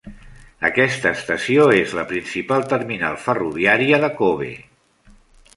Aquesta estació és la principal terminal ferroviària de Kobe.